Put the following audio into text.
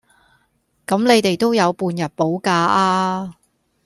咁你哋都有半日補假呀